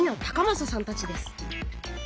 正さんたちです。